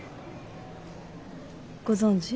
ご存じ？